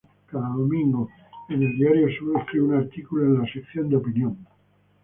Cada domingo en Diario Sur escribe un artículo en la sección de opinión.